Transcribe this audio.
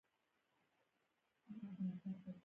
زده کړه نجونو ته د ډیټابیس مدیریت ښيي.